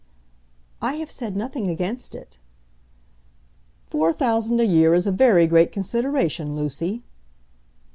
"I have said nothing against it." "Four thousand a year is a very great consideration, Lucy."